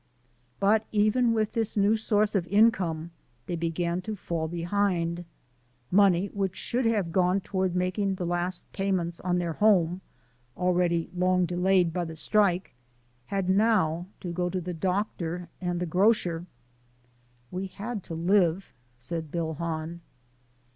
But even with this new source of income they began to fall behind. Money which should have gone toward making the last payments on their home (already long delayed by the strike) had now to go to the doctor and the grocer. "We had to live," said Bill Hahn.